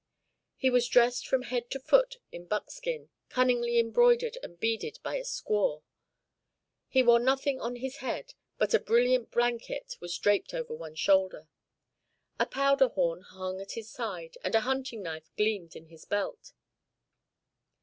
He was dressed from head to foot in buckskin, cunningly embroidered and beaded by a squaw. He wore nothing on his head, but a brilliant blanket was draped over one shoulder. A powder horn hung at his side and a hunting knife gleamed in his belt.